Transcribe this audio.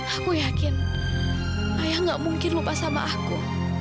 aku yakin ayah gak mungkin lupa sama aku